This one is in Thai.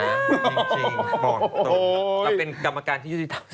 เราเป็นกำลังการที่ยุติธรรม